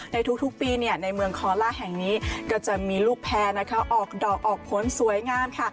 ในทุกปีในเมืองคอล่าแห่งนี้ก็จะมีลูกแพร่นะคะออกดอกออกผลสวยงามค่ะ